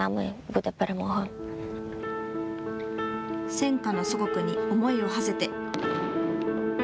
戦禍の祖国に思いをはせて。